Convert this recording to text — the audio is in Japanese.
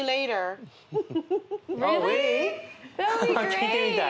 聴いてみたい。